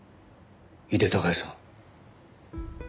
井手孝也さん。